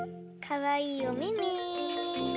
かわいいおめめ。